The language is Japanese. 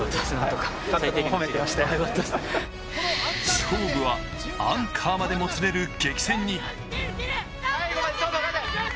勝負はアンカーまでもつれる激戦に。